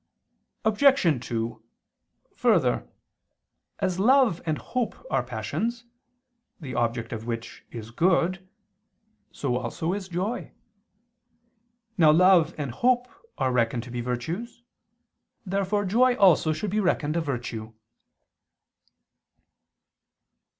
Obj. 2: Further, as love and hope are passions, the object of which is good, so also is joy. Now love and hope are reckoned to be virtues. Therefore joy also should be reckoned a virtue.